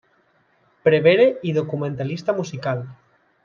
Prevere i documentalista musical.